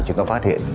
chúng tôi phát hiện